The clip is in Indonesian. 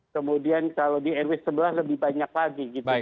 kemudian kalau di airway sebelah lebih banyak lagi gitu